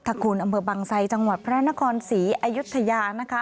คุณอำเภอบังไซจังหวัดพระนครศรีอยุธยานะคะ